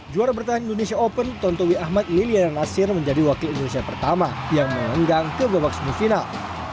juara bertahan indonesia open tontowi ahmad lilia nasir menjadi wakil indonesia pertama yang mengenggang ke babak semifinal